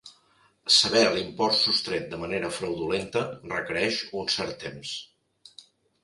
Saber l'import sostret de manera fraudulenta requereix un cert temps.